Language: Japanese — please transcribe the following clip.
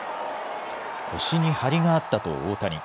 腰に張りがあったと大谷。